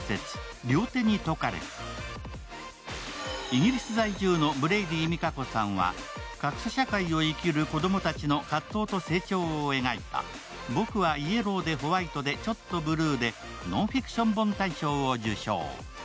イギリス在住のブレイディみかこさんは格差社会を生きる子供たちの葛藤と成長を描いた「ぼくはイエローでホワイトで、ちょっとブルー」でノンフィクション本大賞を受賞。